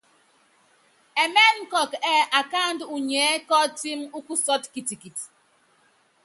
Ɛmɛ́nɛ́ kɔkɔ ɛ́ɛ́ akáandú unyiɛ́ kɔ́ɔtímí úkusɔ́tɔ kitikit.